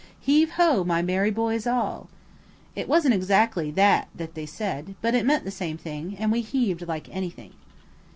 Heave ho, my merry boys all!" It wasn't exactly that that they said, but it meant the same thing, and we heaved like anything.